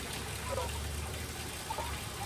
mfumo huu unafanya kazi vizuri sana